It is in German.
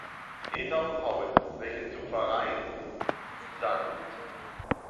Peter und Paul“, welche zur Pfarrei „St.